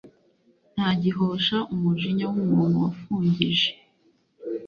nta gihosha umujinya w'umuntu wafungije